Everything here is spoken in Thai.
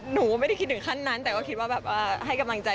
หนูก็ไม่ได้คิดถึงขั้นนั้นแต่ก็คิดว่าแบบว่าให้กำลังใจ